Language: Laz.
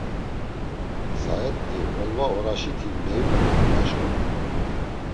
Saet̆i olva oraşiti meilu dort̆u aşǩva.